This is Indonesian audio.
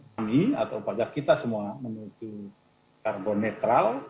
tinggi atau pajak kita semua menuju karbon netral